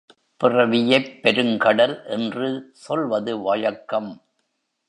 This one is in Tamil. பிறவியைப் பெருங்கடல் என்று சொல்வது வழக்கம்.